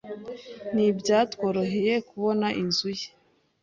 Ntibyatworoheye kubona inzu ye.